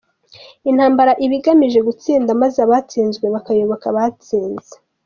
Intambara iba igamije gutsinda maze abatsinzwe bakayoboka abatsinze.